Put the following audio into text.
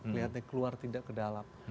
kelihatannya keluar tidak ke dalam